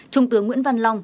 trung tướng nguyễn văn long